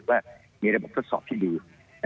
ว่ามีระบบทดสอบที่ดี